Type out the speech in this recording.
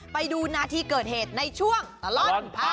ไปดูหน้าที่เกิดเหตุในช่วงตลอดภาพแปด